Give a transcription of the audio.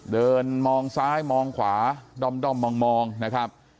เดินมองซ้ายมองขวาด้อมมองนะครับ